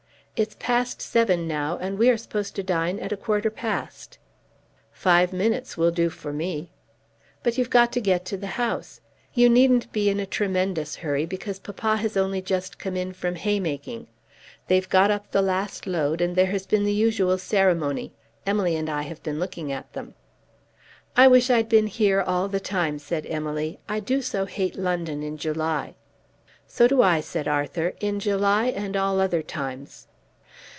It's past seven now, and we are supposed to dine at a quarter past." "Five minutes will do for me." "But you've got to get to the house. You needn't be in a tremendous hurry, because papa has only just come in from haymaking. They've got up the last load, and there has been the usual ceremony. Emily and I have been looking at them." "I wish I'd been here all the time," said Emily. "I do so hate London in July." "So do I," said Arthur, "in July and all other times."